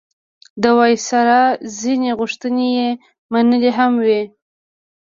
د وایسرا ځینې غوښتنې یې منلي هم وې.